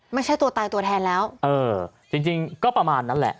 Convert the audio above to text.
ไม่ใช่ตัวตายตัวแทนแล้วเออจริงจริงก็ประมาณนั้นแหละ